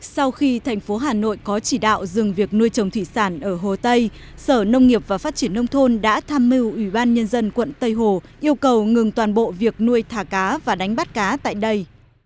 sau khi thành phố hà nội có chỉ đạo dừng việc nuôi trồng thủy sản ở hồ tây sở nông nghiệp và phát triển nông thôn đã tham mưu ủy ban nhân dân quận tây hồ yêu cầu ngừng toàn bộ việc nuôi thả cá và đánh bắt cá tại đây